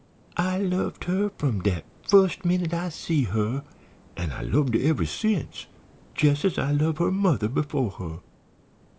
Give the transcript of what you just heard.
I loved her from dat fust minute I see her, an' I loved her ever since, jes' as I loved her mother befo' her.